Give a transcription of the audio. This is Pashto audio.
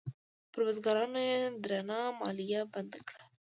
پر بزګرانو یې درنه مالیه بنده کړه.